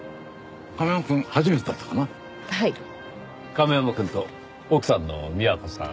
亀山くんと奥さんの美和子さん。